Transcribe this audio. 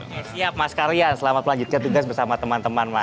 oke siap mas karyan selamat melanjutkan tugas bersama teman teman mas